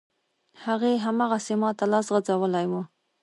هغې، هماغسې ماته لاس غځولی و.